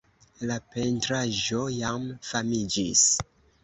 La pentraĵo jam famiĝis.